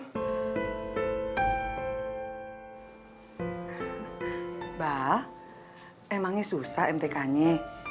mbak emangnya susah mtk nya